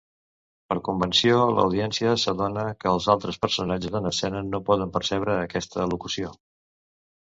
Per convenció, l'audiència s'adona que els altres personatges en escena no poden percebre aquesta elocució.